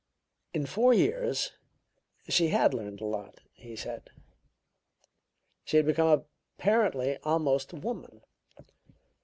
"In four years she had learned a lot," he said; "she had become apparently almost a woman.